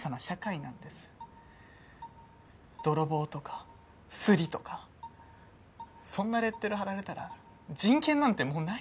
「泥棒」とか「スリ」とかそんなレッテル貼られたら人権なんてもうないんですよ。